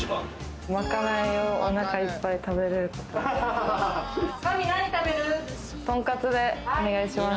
まかないをお腹いっぱい食べれることです。